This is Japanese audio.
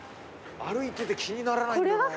歩いてて気にならないんだよな。